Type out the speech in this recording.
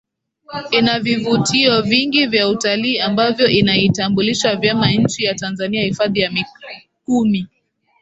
ina vivutio vingi vya utalii ambavyo inaitambulisha vyema nchi ya Tanzania Hifadhi ya Mikumi